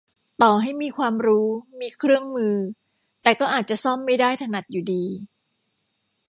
ต่อให้มีความรู้ มีเครื่องมือ แต่ก็อาจจะซ่อมไม่ได้ถนัดอยู่ดี